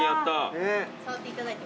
触っていただいて。